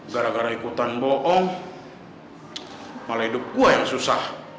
gara gara ikutan bohong malah hidup gue yang susah